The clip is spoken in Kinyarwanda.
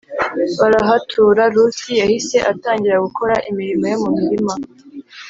barahatura Rusi yahise atangira gukora imirimo yo mu mirima